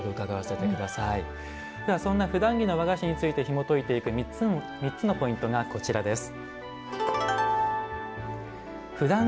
「ふだん着の和菓子」について、ひもといていく３つのポイントです。